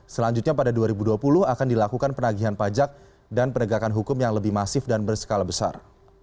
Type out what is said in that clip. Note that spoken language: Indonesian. selanjutnya pada dua ribu dua puluh akan dilakukan penagihan pajak dan penegakan hukum yang lebih masif dan berskala besar